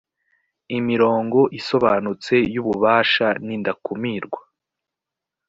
imirongo isobanutse y’ ububasha nindakumirwa.